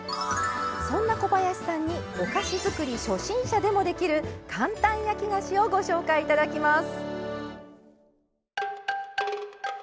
そんな小林さんにお菓子作り初心者でもできる簡単焼き菓子をご紹介いただきます。